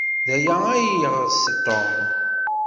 D aya ay yeɣs Tom?